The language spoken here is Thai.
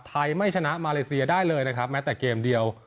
ไม่ชนะมาเลเซียได้เลยนะครับแม้แต่เกมเดียว